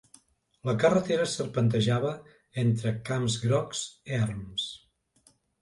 La carretera serpentejava entre camps grocs, erms